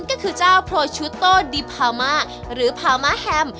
ก็คือเจ้าโปรชุโต้ดิพามาหรือพามะแฮม